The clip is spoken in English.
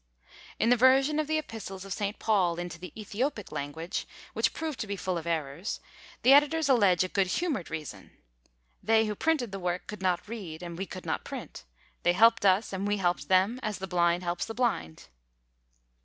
In the version of the Epistles of St. Paul into the Ethiopic language, which proved to be full of errors, the editors allege a good humoured reason "They who printed the work could not read, and we could not print; they helped us, and we helped them, as the blind helps the blind."